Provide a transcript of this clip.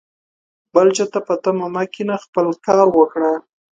بل چاته په تمه مه کښېنه ، خپله کار وکړه